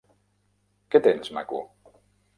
Què tens, maco?